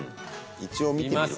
一応見てみるか。